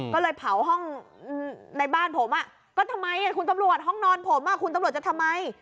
ก็เลยเผาห้องในบ้านผมก็ทำไมคุณตำรวจห้องนอนผมคุณตำรวจจะทำไม